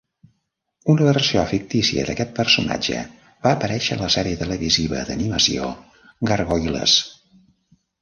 Una versió fictícia d'aquest personatge va aparèixer a la sèrie televisiva d'animació Gargoyles.